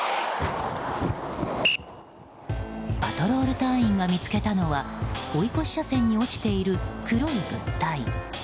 パトロール隊員が見つけたのは追い越し車線に落ちている黒い物体。